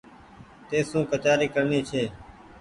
تيسو ڪچآري ڪرڻي ڇي